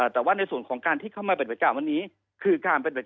แต่ว่าในส่วนของการที่เข้ามาในเป็นพยายามวันนี้คือ